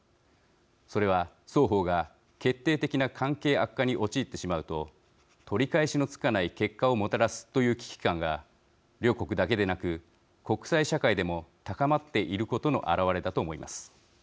それは双方が決定的な関係悪化に陥ってしまうと取り返しのつかない結果をもたらすという危機感が両国だけでなく国際社会でも高まっていることの表れだと思います。